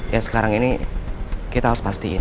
ya sekarang ini kita harus pastiin